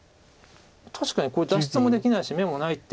確かにこれ脱出もできないし眼もないっていう。